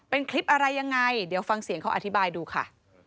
เป็นคลิปอะไรยังไงเดี๋ยวฟังเสียงเขาอธิบายดูค่ะ